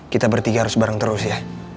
kita bertiga harus bareng terus ya